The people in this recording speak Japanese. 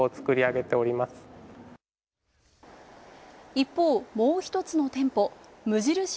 一方、もう一つの店舗、無印